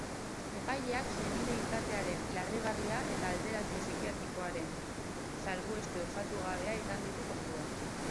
Epaileak senide izatearen larrigarria eta alterazio psikiatrikoaren salbueste osatugabea izan ditu kontuan.